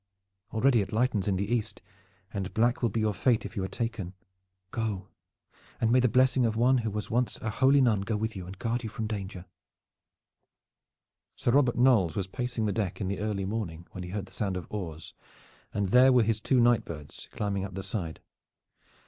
Already it lightens in the east, and black will be your fate if you are taken. Go, and may the blessing of one who was once a holy nun go with you and guard you from danger!" Sir Robert Knolles was pacing the deck in the early morning, when he heard the sound of oars, and there were his two night birds climbing up the side.